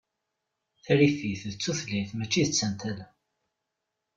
Tarifit d tutlayt mačči d tantala.